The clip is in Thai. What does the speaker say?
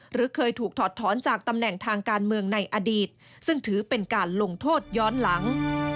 หรือเคยถูกถอดถอนจากตำแหน่งทางการเมืองในอดีตซึ่งถือเป็นการลงโทษย้อนหลัง